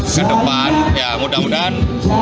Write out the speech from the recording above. ke depan ya mudah mudahan